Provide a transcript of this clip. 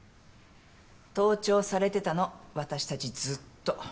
盗聴されてたの私たちずっと。